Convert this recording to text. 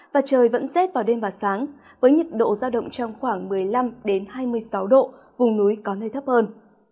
và trời vẫn rét vào đêm và sáng với nhiệt độ giao động trong khoảng một mươi năm hai mươi sáu độ vùng núi có nơi thấp hơn